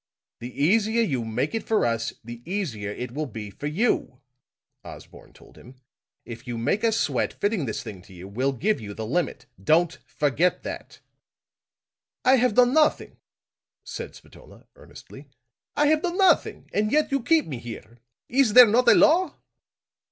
"The easier you make it for us, the easier it will be for you," Osborne told him. "If you make us sweat, fitting this thing to you, we'll give you the limit. Don't forget that." "I have done nothing," said Spatola, earnestly. "I have done nothing. And yet you keep me here. Is there not a law?"